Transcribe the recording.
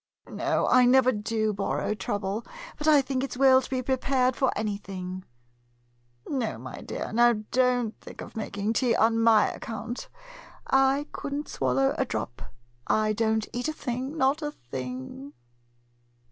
No, I never do borrow trouble, but I think it 's well to be prepared for anything. No, my dear, now don't think of making tea on my account; I couldn't 197 MODERN MONOLOGUES swallow a drop. I don't eat a thing — not a thing.